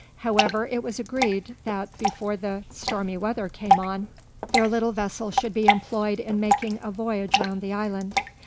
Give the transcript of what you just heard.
However, it was agreed that before the stormy weather came on, their little vessel should be employed in making a voyage round the island.